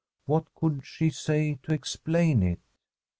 What could she say to explain it